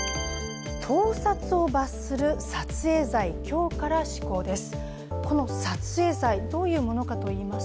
盗撮を罰する撮影罪、今日から施行です。